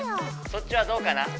「そっちはどうかな？」。